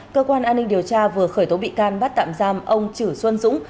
cơ quan an ninh điều tra vừa khởi tố bị can bắt tạm giam ông chử xuân dũng